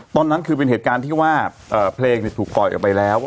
ตอนนั้นคือเป็นเหตุการณ์ที่ว่าเพลงถูกปล่อยออกไปแล้ว